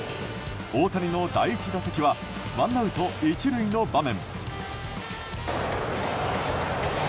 大谷の第１打席はワンアウト１塁の場面。